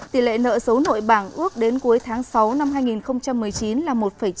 tỷ lệ nợ xấu nội bảng ước đến cuối tháng sáu năm hai nghìn một mươi chín là một chín